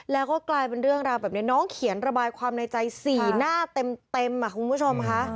แล้วก็กลายเป็นเรื่องราวแบบนี้น้องเขียนระบายความในใจ๔หน้าเต็มคุณผู้ชมค่ะ